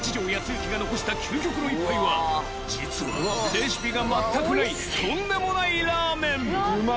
雪が残した究極の一杯は実はレシピが全くないとんでもないラーメン！